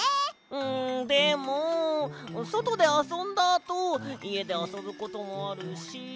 んでもそとであそんだあといえであそぶこともあるし。